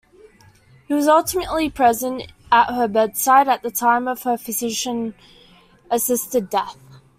He was ultimately present at her bedside at the time of her physician-assisted death.